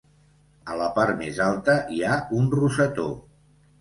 A la part més alta hi ha un rosetó.